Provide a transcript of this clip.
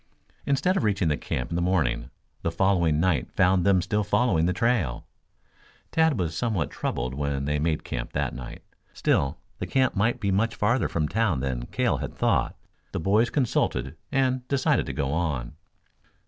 Instead of reaching the camp in the morning, the following night found them still following the trail. Tad was somewhat troubled when they made camp that night. Still, the camp might be much farther from town than Cale had thought. The boys consulted and decided to go on.